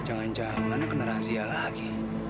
jangan jangan kena rahasia lagi